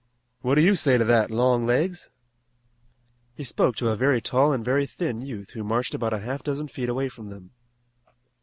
What do you say to that, Long Legs?" He spoke to a very tall and very thin youth who marched about a half dozen feet away from them.